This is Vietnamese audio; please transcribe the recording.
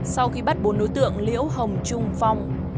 sau khi bắt bốn đối tượng liễu hồng trung phong